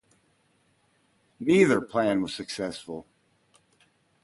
Neither plan was successful.